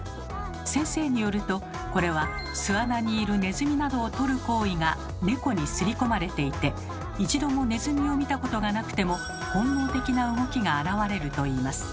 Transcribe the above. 先生によるとこれは巣穴にいるネズミなどをとる行為が猫にすり込まれていて一度もネズミを見たことがなくても本能的な動きが現れるといいます。